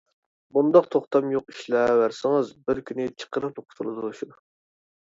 بۇنداق توختام يوق ئىشلەۋەرسىڭىز بىر كۈنى چىقىرىپلا قۇتۇلىدۇ شۇ.